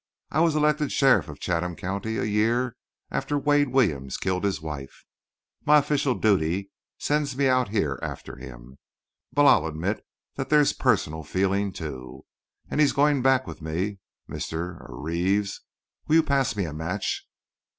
I was elected sheriff of Chatham County a year after Wade Williams killed his wife. My official duty sends me out here after him; but I'll admit that there's personal feeling, too. And he's going back with me. Mr.—er—Reeves, will you pass me a match?